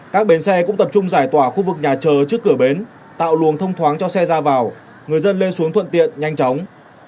các bến xe cũng tập trung giải tỏa khu vực nhà chờ trước cửa bến tạo luồng thông thoáng cho xe ra vào người dân lên xuống thuận tiện nhanh chóng